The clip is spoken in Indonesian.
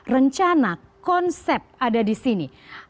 rencana konsep ada disini